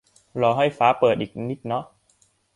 รอให้ฟ้าเปิดอีกนิดเนาะ